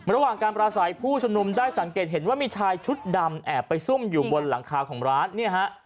ระหว่างการปราศัยผู้ชมนุมได้สังเกตเห็นว่ามีชายชุดดำแอบไปซุ่มอยู่บนหลังคาของร้านเนี่ยฮะ